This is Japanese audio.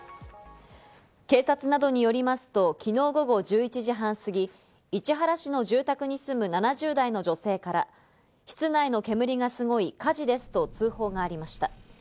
警察などによりますと昨日午後１１時半過ぎ、市原市の住宅に住む７０代の女性から、室内の煙がすごい、火事ですと通報がありました。